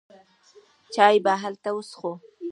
چای به هلته وڅښو.